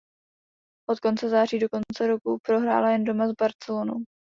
Od konce září do konce roku prohrála jen doma s Barcelonou.